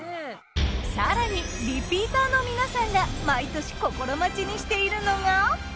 更にリピーターの皆さんが毎年心待ちにしているのが。